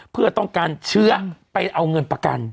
เป็นภาพให้วิทยาโรงพยาบาล